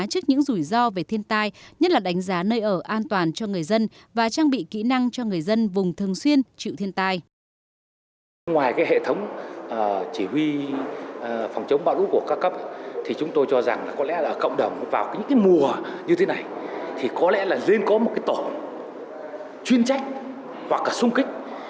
trước những rủi ro về thiên tai nhất là đánh giá nơi ở an toàn cho người dân và trang bị kỹ năng cho người dân vùng thường xuyên chịu thiên tai